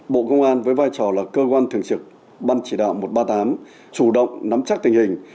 bộ công an với vai trò là cơ quan thường trực ban chỉ đạo một trăm ba mươi tám chủ động nắm chắc tình hình